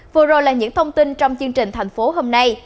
vừa rồi là những thông tin trong chương trình thành phố hôm nay